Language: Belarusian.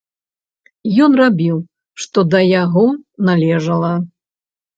Ён рабіў, што да яго належала.